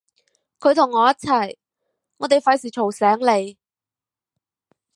佢同我一齊，我哋費事嘈醒你